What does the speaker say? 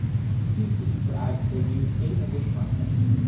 Two seats were added for the new State of Wisconsin.